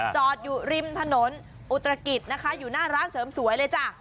จอดอยู่ริมถนนอุตรกิจนะคะอยู่หน้าร้านเสริมสวยเลยจ้ะ